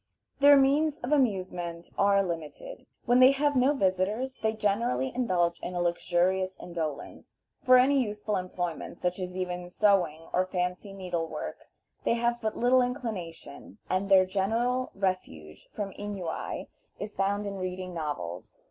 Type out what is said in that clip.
Their means of amusement are limited. When they have no visitors they generally indulge in a luxurious indolence. For any useful employment, such as even sewing or fancy needlework, they have but little inclination, and their general refuge from ennui is found in reading novels.